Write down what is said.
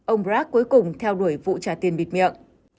ông prac cuối cùng theo đuổi vụ trả tiền bịt miệng